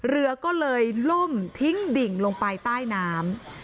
เรือก็เลยล่มทิ้งดิ่งลงไปใต้น้ำ